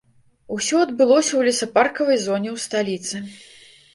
Усё адбылося ў лесапаркавай зоне ў сталіцы.